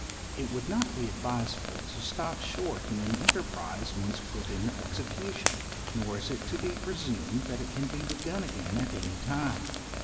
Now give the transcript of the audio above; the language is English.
It would not be advisable to stop short in an enterprize once put in execution, nor is it to be presumed that it can be begun again at any time.